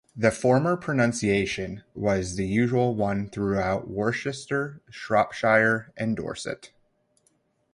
The former pronunciation was the usual one throughout Worcestershire, Shropshire and Dorset.